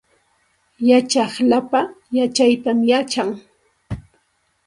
Yachaq lapa yachaytam yachan